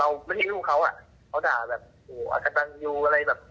เหมือนกับเราไม่รู้เขาอะเขาด่าแบบโหอาจารย์อยู่อะไรแบบ